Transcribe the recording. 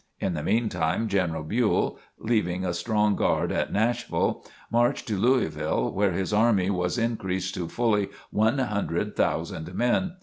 In the meantime General Buell, leaving a strong guard at Nashville, marched to Louisville where his army was increased to fully one hundred thousand men.